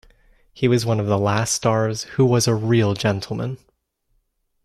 He was one of the last stars who was a real gentleman.